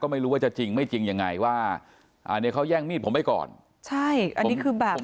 ไม่รู้ว่าจะจริงไม่จริงยังไงว่าอ่าเนี่ยเขาแย่งมีดผมไปก่อนใช่อันนี้คือแบบ